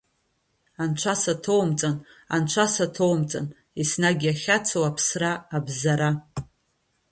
Анцәа саҭоумҵан, анцәа саҭоумҵан, еснагь иахьацу аԥсра абзара.